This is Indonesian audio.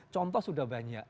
contoh sudah banyak